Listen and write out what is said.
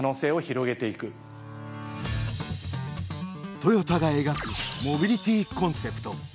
トヨタが描くモビリティコンセプト。